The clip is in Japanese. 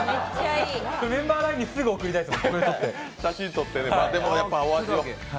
メンバーＬＩＮＥにすぐ送りたいです。